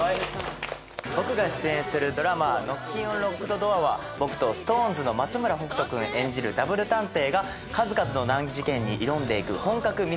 僕が出演するドラマ『ノッキンオン・ロックドドア』は僕とＳｉｘＴＯＮＥＳの松村北斗君演じるダブル探偵が数々の難事件に挑んでいく本格ミステリードラマです。